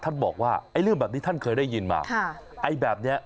บอกว่าไอ้เรื่องแบบนี้ท่านเคยได้ยินมาค่ะไอ้แบบเนี้ย